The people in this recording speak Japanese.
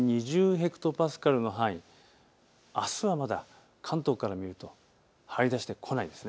ヘクトパスカルの範囲、あすはまだ関東から見ると張り出してこないんです。